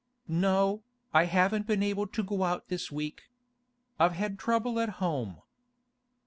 'No, I haven't been able to go out this week. I've had trouble at home.